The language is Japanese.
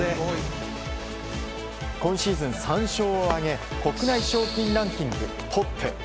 今シーズン３勝を挙げ国内賞金ランキングトップ。